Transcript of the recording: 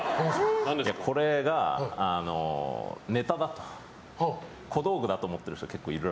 これがネタだと小道具だと思ってる人が結構いるらしくて。